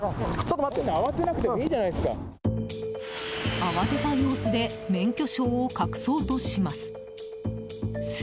慌てた様子で免許証を隠そうとします。